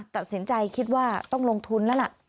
ตัดสินใจคิดว่าต้องลงทุนแล้วล่ะ